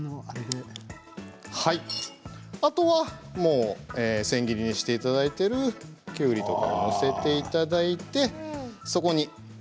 あとは千切りにしていただいているきゅうりとかを載せていただいてそこに。